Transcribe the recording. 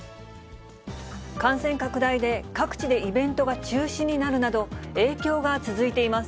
感染拡大で各地でイベントが中止になるなど、影響が続いています。